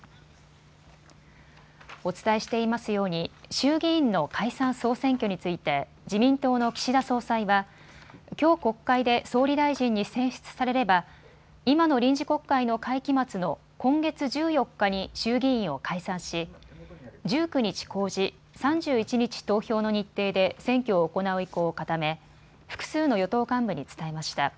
お伝えしていますように衆議院の解散総選挙について自民党の岸田総裁はきょう国会で総理大臣に選出されれば今の臨時国会の会期末の今月１４日に衆議院を解散し、１９日公示、３１日投票の日程で選挙を行う意向を固め複数の与党幹部に伝えました。